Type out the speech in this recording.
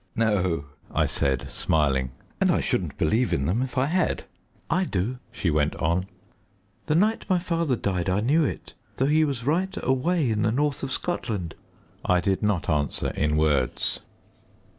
"No," I said, smiling, "and I shouldn't believe in them if I had." "I do," she went on; "the night my father died I knew it, though he was right away in the north of Scotland." I did not answer in words.